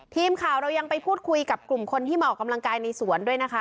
ทีมข่าวเรายังไปพูดคุยกับกลุ่มคนที่มาออกกำลังกายในสวนด้วยนะคะ